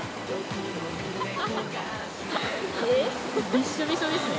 びっしょびしょですね。